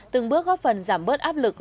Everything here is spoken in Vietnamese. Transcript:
từng bước góp phần giảm bớt áp lực